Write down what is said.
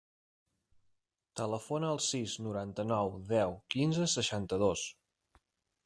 Telefona al sis, noranta-nou, deu, quinze, seixanta-dos.